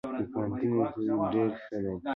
دپوهنتون تدريس ډير ښه دی.